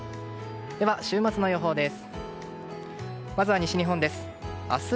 週末の予報です。